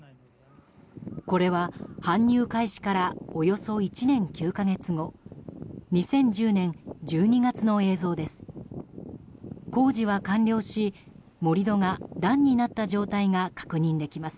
これは搬入開始からおよそ１年９か月後２０１０年１２月の映像です。